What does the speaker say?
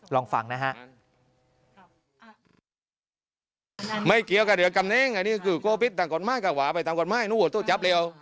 ลองฟังนะฮะ